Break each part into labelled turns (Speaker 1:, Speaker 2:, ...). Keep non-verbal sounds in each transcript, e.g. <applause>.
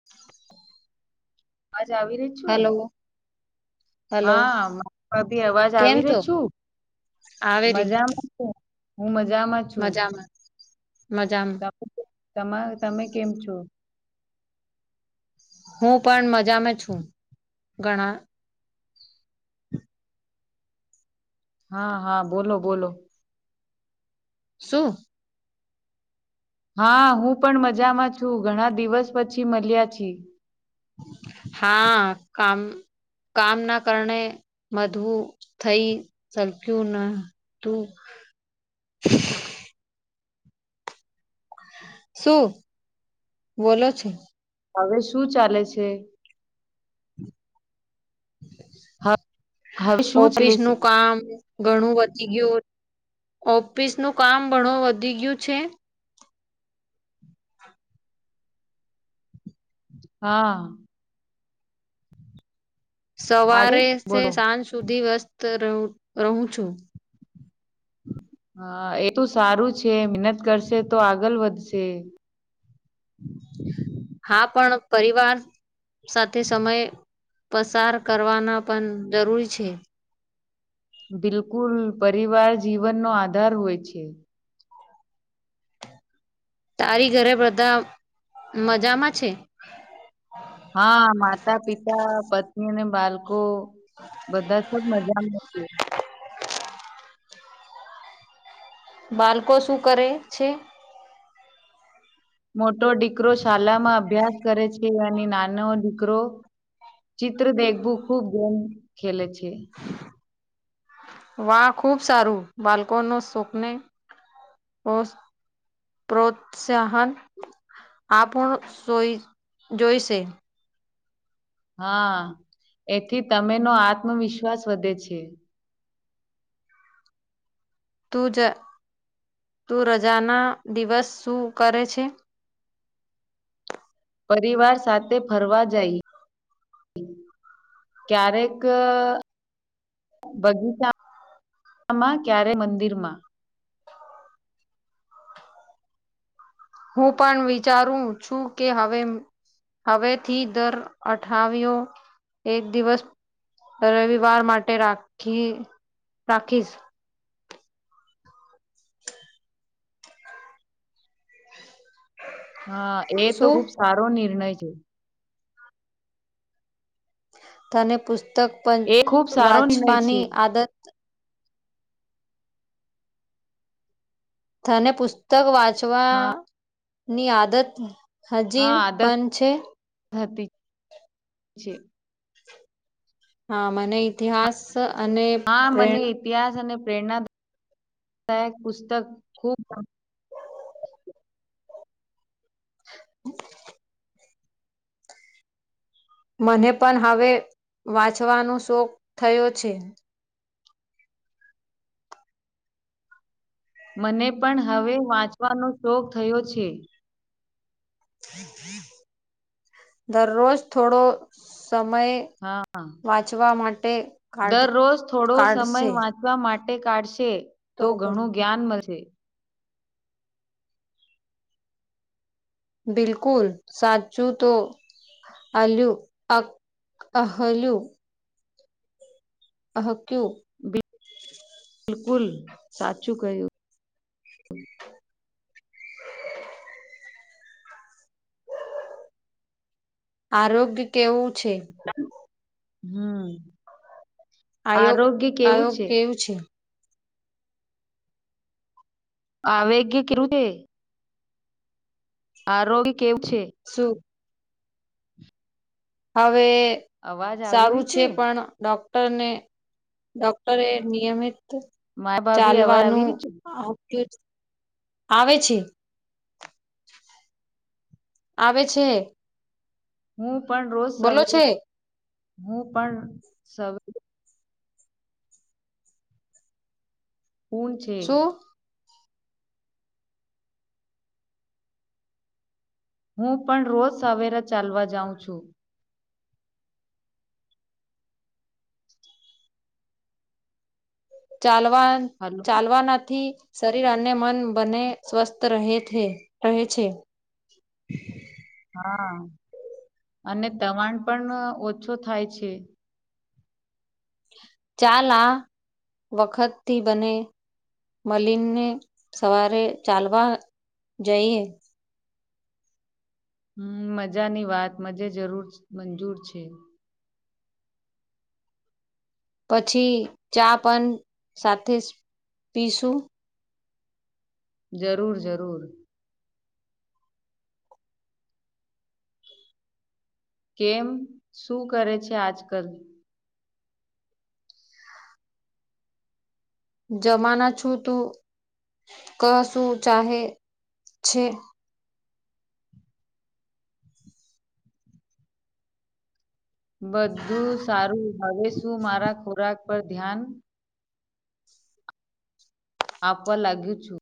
Speaker 1: <unintelligible>
Speaker 2: અવાજ આવી રહી. છું
Speaker 1: હાલો.
Speaker 2: હા, ભાભી અવાજ
Speaker 1: કેમ
Speaker 2: આવી
Speaker 1: છો
Speaker 2: રહી છું,
Speaker 1: આવેરી
Speaker 2: મજામા. હું મજામાં. છું
Speaker 1: મજામાં, મજામાં.
Speaker 2: તમા તમે કેમ છો?
Speaker 1: હું પણ મજામાં છું, ઘણા
Speaker 2: હા, હા, બોલો, બોલો.
Speaker 1: શું?
Speaker 2: હા, હું પણ મજામાં છું, ઘણા દિવસ પછી મળ્યા છે.
Speaker 1: હા, કામ કામ ના કારણે, મધવું થઈ ચલક્યું ન. તો. શું બોલો છો?
Speaker 2: હવે શું ચાલે છે? હ- હવે શું ચાલે
Speaker 1: ઓફિસ
Speaker 2: છે
Speaker 1: નું કામ. ઘણું વધી ગયું, ઓફિસ નું કામ ઘણું વધી ગયું છે.
Speaker 2: હા. આરે બોલો
Speaker 1: સવારે-સાંજ સુધી વ્યસ્ત રહું રહું છું.
Speaker 2: હા, એ તો સારું છે, મહેનત કરશે, તો આગળ વધશે. હમ.
Speaker 1: હા, પણ પરિવાર સાથે સમય. પસાર કરવાના પણ જરૂરી છે.
Speaker 2: બિલકુલ, પરિવાર જીવનનો આધાર હોય છે.
Speaker 1: તારી ઘરે બધા મજામાં છે?
Speaker 2: હા, માતા, પિતા, પતિ. અને બાળકો બધા છબ મજા નથી.
Speaker 1: બાળકો શું કરે છે?
Speaker 2: મોટો દીકરો શાળામાં અભ્યાસ કરે છે, અને નાનો દીકરો ચિત્ર દેખવું ખૂબ ગેમ ખેલે છે.
Speaker 1: વાહ ખુબ સારું બાળકો નો શોકને <unintelligible> પ્રોત્સાહન આપણો જો જોઈશે.
Speaker 2: હા એથી તમે નો આત્મવિશ્વાસ વધે છે.
Speaker 1: તું જ તું રજાના દિવસ શું કરે છે.
Speaker 2: પરિવાર સાથે ફરવા જઈ ક્યારેક બગીચામાં ક્યારે મંદિર માં.
Speaker 1: હું પણ વિચારું છું કે હવે હવેથી દર અઠાવયો એક દિવસ રવિવાર માટે રાખી રાખીશ.
Speaker 2: હા એ તો
Speaker 1: શું
Speaker 2: ખુબ સારો નિર્ણય છે.
Speaker 1: તને પુસ્તક પણ
Speaker 2: એ ખુબ સારો નિર્ણય છે
Speaker 1: વાંચવાની આદત તને પુસ્તક વાંચવા
Speaker 2: હા
Speaker 1: ની આદત હજી પણ છે.
Speaker 2: ધતી છે.
Speaker 1: હા મને ઇતિહાસ અને
Speaker 2: હા મને
Speaker 1: પ્રેરણા
Speaker 2: ઇતિહાસ અને પ્રેરણાદાયકપુસ્તક ખબ
Speaker 1: <inaudible> મને પણ હવે વાંચવાનો શોખ થયો છે.
Speaker 2: મને પણ હવે વાંચવાનો શોખ થયો છે.
Speaker 1: દરરોજ થોડો સમય
Speaker 2: હા.
Speaker 1: વાંચવા માટે કાઢ
Speaker 2: દરરોજ થોડો સમય
Speaker 1: કાઢશે
Speaker 2: વાંચવા માટે કાઢશે તો ઘણું જ્ઞાન મળશે.
Speaker 1: બિલકુલ સાચું તો <unintelligible> અ હલું <unintelligible> <inaudible>
Speaker 2: બિલકુલ સાચું કહ્યું.
Speaker 1: આરોગ્ય કેવું છે?
Speaker 2: હમ
Speaker 1: આયોગ
Speaker 2: આરોગ્ય કેવું છે?
Speaker 1: <unintelligible>
Speaker 2: <unintelligible> આરોગ્ય કેવું છે?
Speaker 1: શું? અવે
Speaker 2: અવાજ આવી
Speaker 1: સારું
Speaker 2: રહી
Speaker 1: છે પણ ડોક્ટરને ડોક્ટરે નિયમિત
Speaker 2: મારા ભાભી અવાજ આવી
Speaker 1: ચાલવાનું
Speaker 2: રહી છે
Speaker 1: <unintelligible> આવે છે. આવેે છે.
Speaker 2: હું પણ રોજ
Speaker 1: બોલો
Speaker 2: સવારે
Speaker 1: છે
Speaker 2: હું પણ સવારે <unintelligible>
Speaker 1: શું
Speaker 2: હું પણ રોજ સવારે ચાલવા જાઉં છું.
Speaker 1: ચાલવા
Speaker 2: હાલો.
Speaker 1: ચાલવાથી શરીર અને મન બને સ્વસ્થ રહે છે રહે છે.
Speaker 2: <inaudible> હા અને તણાવ પણ ઓછો થાય છે.
Speaker 1: ચાલઆ વખતથી બને મલિને સવારે ચાલવા જઈએ.
Speaker 2: હમ મજાની વાત મજે જરૂર‌ મંજૂર છે.
Speaker 1: પછી ચા પણ સાથે જ પીશું.
Speaker 2: જરૂર જરૂર. કેમ? શું કરે છે આજકલ?
Speaker 1: જમાના છું તું કશું ચાહે છે.
Speaker 2: બધું સારું હવે શું મારા ખોરાક પર ધ્યાન આપવા લાગી છું.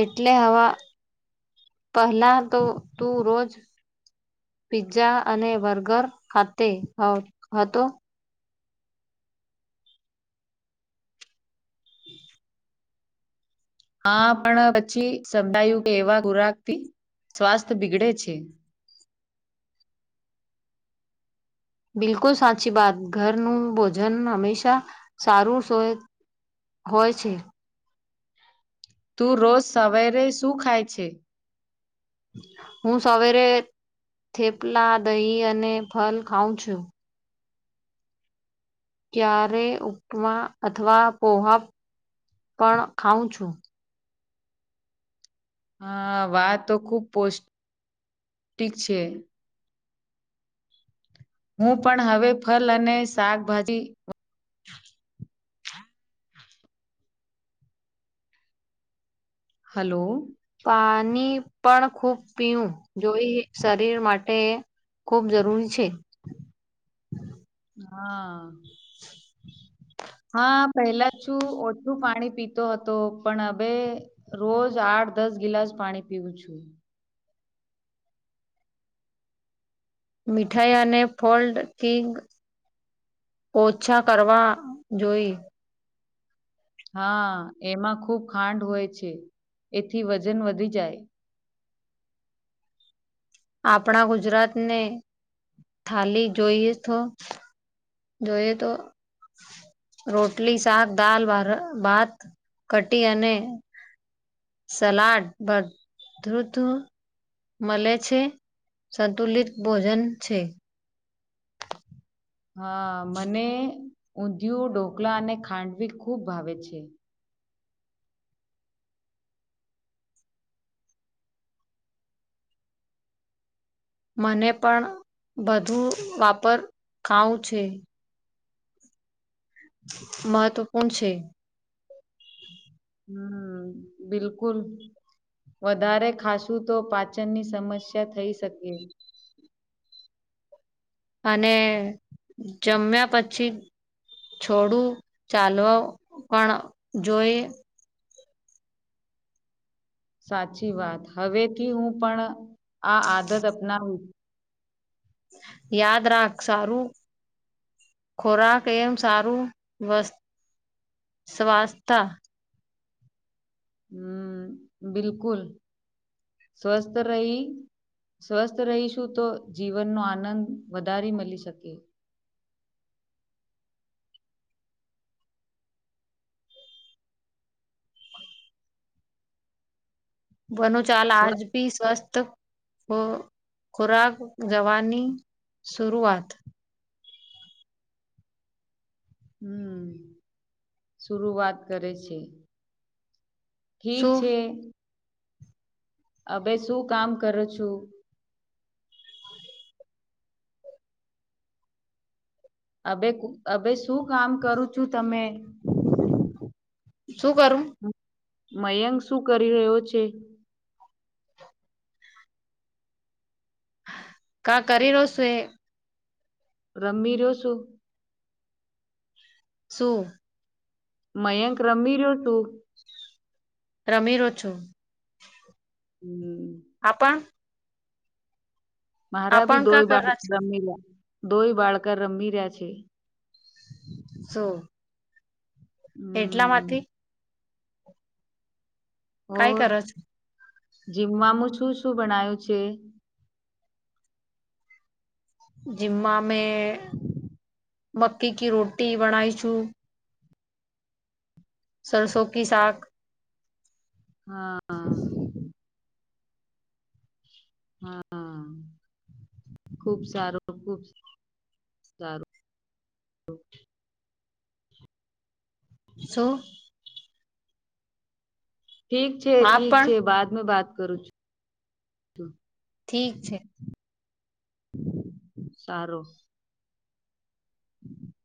Speaker 1: એટલે આવા પહેલા તો તું રોજ પીઝા અને બર્ગર ખાતે હહ હતો.
Speaker 2: હા પણ પછી સમજાયું કે એવા ખોરાકથી સ્વાસ્થ બીગડે છે.
Speaker 1: બિલકુલ સાચી વાત. ઘરનું ભોજન હંમેશા સારું સો હોય છે.
Speaker 2: તું રોજ સવેરે શું ખાય છે?
Speaker 1: હું સવેરે થેપલા, દહીં અને ફલ ખાઉં છું. ક્યારે ઉપમા અથવા પોહવા પણ ખાઉં છું.
Speaker 2: હા વાહ! તો ખુબ પોષ્ટિક છે. હું પણ હવે ફલ અને શાકભાજી હલો
Speaker 1: પાની પણ ખૂબ પીવું જોઈ શરીર માટે ખૂબ જરૂરી છે.
Speaker 2: હા. હા પહેલા છું ઓછું પાણી પીતો હતો પણ હવે રોજ આઠ દસ ગિલાસ પાણી પીવું છું.
Speaker 1: મીઠાઈ અને ફોલ્ડ કિંગ ઓછા કરવા જોઈ.
Speaker 2: હા એમાં ખુબ ખાંડ હોય છે, એથી વજન વધી જાય.
Speaker 1: આપણા ગુજરાતને થાલી જોઈએ તો જોઈએ તો. રોટલી, શાક, દાલ, ભાત, કટી અને સલાડ બધુ તો મલે છે, સંતુલિત ભોજન છે.
Speaker 2: હા મને ઉંધિયુ, ઢોકલા અને ખાંડવી ખૂબ ભાવે છે.
Speaker 1: મને પણ બધું વાપર ખાવું છે. મહત્વપૂર્ણ છે.
Speaker 2: હમ બિલકુલ. વધારે ખાસું તો પાચનની સમસ્યા થઈ શકે.
Speaker 1: અને જમ્યા પછી થોડું ચાલવ પણ જોઈ.
Speaker 2: સાચી વાત. હવેથી હું પણ આ આદત અપનાવું.
Speaker 1: યાદ રાખ સારું. ખોરાક એમ સારું વસ સ્વાસ્તા
Speaker 2: હમ બિલકુલ સ્વસ્થ રહી સ્વસ્થ રહીશું તો જીવનનો આનંદ વધારી મલી શકે.
Speaker 1: ભનું ચાલ
Speaker 2: સ્વ
Speaker 1: આજ પી સ્વસ્થ ખો ખોરાક જવાની શરૂઆત
Speaker 2: હમ્મ શુરુઆત કરે છે. ઠીક
Speaker 1: શું
Speaker 2: છે. અબે શું કામ કરો છો? અબે અબે શું કામ કરું છું તમે?
Speaker 1: શું કરું?
Speaker 2: મયક શું કરી રહ્યો છે?
Speaker 1: કા કરી રહો છું એ?
Speaker 2: રમી રહ્યો છું.
Speaker 1: શું?
Speaker 2: મયંક રમી રહ્યો છે.
Speaker 1: રમી રહ્યો છું.
Speaker 2: હમ્મ.
Speaker 1: આપણ
Speaker 2: મારા
Speaker 1: આપણ
Speaker 2: બી
Speaker 1: કા
Speaker 2: દોય
Speaker 1: કર
Speaker 2: બાળક
Speaker 1: છે
Speaker 2: રમી રહ્યા, દોય બાળક રમી રહ્યા છે.
Speaker 1: શું? એટલા
Speaker 2: હમ્મ
Speaker 1: માટે
Speaker 2: ઓ
Speaker 1: કઈ કરો છો
Speaker 2: જીમવામાં શું શું બણાયું છે?
Speaker 1: જીમમાં અમે મક્કી કી રોટી બણાવીશું. સરસો શાક.
Speaker 2: <unintelligible> હા, ખુબ સારું, ખુબ સારું.
Speaker 1: સો.
Speaker 2: ઠીક છે,
Speaker 1: હા
Speaker 2: ઠીક
Speaker 1: પણ
Speaker 2: છે, બાદમે બાત કરું છું.
Speaker 1: ઠીક છે
Speaker 2: સારું. <unintelligible>